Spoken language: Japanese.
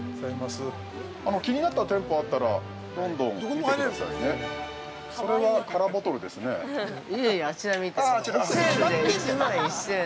気になった店舗あったらどんどん言ってくださいね。